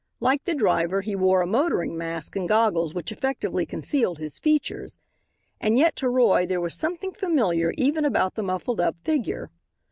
Like the driver, he wore a motoring mask and goggles which effectively concealed his features, and yet to Roy there was something familiar even about the muffled up figure.